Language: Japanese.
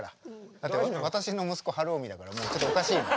だって私の息子晴臣だからもうちょっとおかしいの。